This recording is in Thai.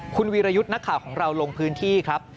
คุณวีรยุทธ์นักข่าวของเราลงพื้นที่ครับ